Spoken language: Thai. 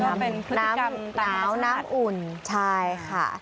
ก็เป็นพฤติกรรมต่างใช่ไหมครับน้ำหนาวน้ำอุ่นใช่ค่ะ